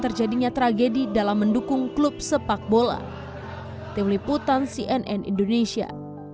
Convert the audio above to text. terjadinya tragedi dalam mendukung klub sepak bola tim liputan cnn indonesia